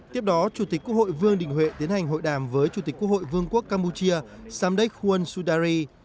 tiếp đó chủ tịch quốc hội vương đình huệ tiến hành hội đàm với chủ tịch quốc hội vương quốc campuchia samdek khuôn sudari